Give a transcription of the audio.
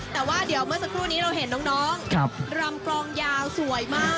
แต่ว่าเดี๋ยวเมื่อสักครู่นี้เราเห็นน้องรำกลองยาวสวยมาก